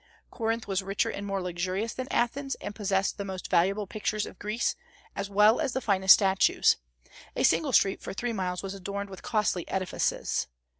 Corinth was richer and more luxurious than Athens, and possessed the most valuable pictures of Greece, as well as the finest statues; a single street for three miles was adorned with costly edifices.